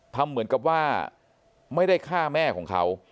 ทำเหมือนกับว่าไม่ได้ฆ่าแม่ของเขา